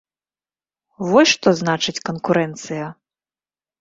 Вось што значыць канкурэнцыя!